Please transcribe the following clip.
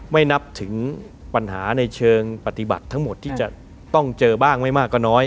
ไม่นับถึงปัญหาในเชิงปฏิบัติทั้งหมดที่จะต้องเจอบ้างไม่มากก็น้อย